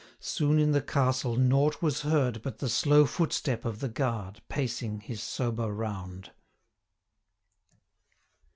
Soon in the castle nought was heard, But the slow footstep of the guard, Pacing his sober round.